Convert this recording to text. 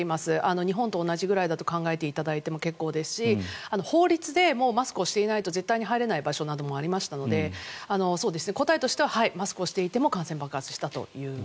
日本と同じぐらいだと考えていただいても結構ですし法律でマスクをしていないと絶対に入れない場所もありましたので答えとしてはマスクをしていても可能性爆発したと。